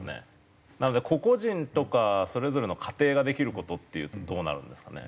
なので個々人とかそれぞれの家庭ができる事っていうとどうなるんですかね。